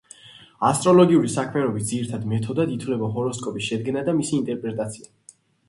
ასტროლოგიური საქმიანობის ძირითად მეთოდად ითვლება ჰოროსკოპის შედგენა და მისი ინტერპრეტაცია.